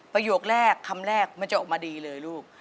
ประโยคแรกคำแรกมันจะออกมาดีเลยลูก